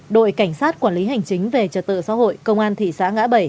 đội cảnh sát quản lý hành chính về trật tự xã hội công an thị xã ngã bảy